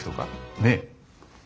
ねえ？